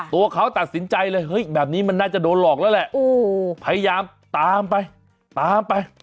ตัวเขาตัดสินใจเลยเฮ้ยแบบนี้มันน่าจะโดนหลอกแล้วแหละพยายามตามไปตามไป